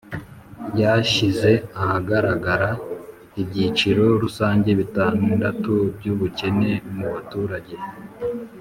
ryashyize ahagaragara ibyiciro rusange bitandatu by'ubukene mu baturage.